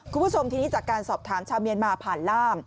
คุณผู้ชมทีนี้จากการสอบถามชาวเมียนมาผ่านล่าม